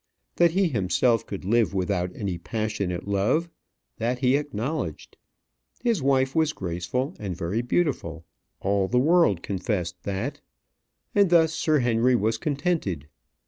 That he himself could live without any passionate love that he acknowledged. His wife was graceful and very beautiful all the world confessed that. And thus Sir Henry was contented.